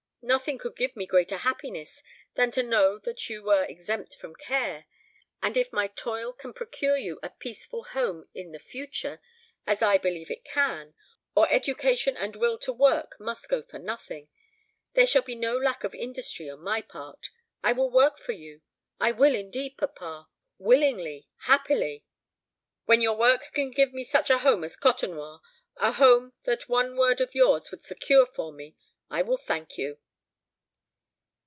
Nothing could give me greater happiness than to know that you were exempt from care; and if my toil can procure you a peaceful home in the future as I believe it can, or education and will to work must go for nothing there shall be no lack of industry on my part. I will work for you, I will indeed, papa willingly, happily." "When your work can give me such a home as Côtenoir a home that one word of yours would secure for me I will thank you."